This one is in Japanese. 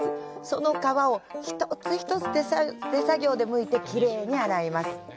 その皮を一つ一つ手作業でむききれいに洗います。